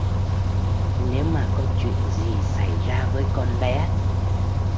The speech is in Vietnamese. Nếu mà có chuyện gì xảy ra với con bé